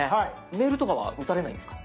メールとかは打たれないんですか？